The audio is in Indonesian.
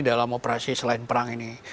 dalam operasi selain perang ini